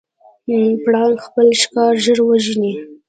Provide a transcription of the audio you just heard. پړانګ خپل ښکار ژر وژني.